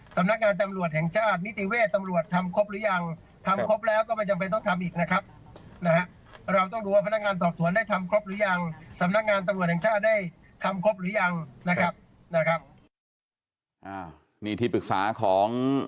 สำนักงานตำรวจแห่งชาติมิติเวชตำรวจทำครบหรือยัง